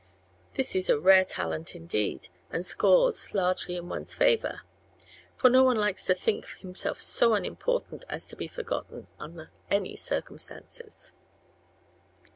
This is a rare talent, indeed, and scores, largely in one's favor; for no one likes to think himself so unimportant as to be forgotten, under any circumstances.